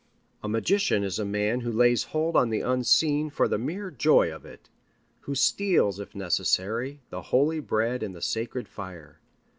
A magician is a man who lays hold on the unseen for the mere joy of it, who steals, if necessary, the holy bread and the sacred fire.